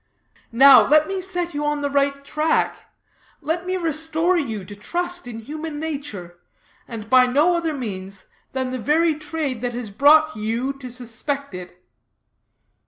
Now, let me set you on the right track; let me restore you to trust in human nature, and by no other means than the very trade that has brought you to suspect it."